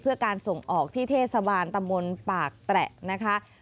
เพื่อการส่งออกที่เทศบาลตำบลปากแตะนะคะ